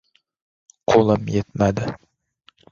Qo‘lim yetmadi.